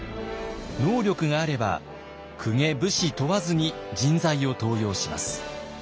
能力があれば公家武士問わずに人材を登用します。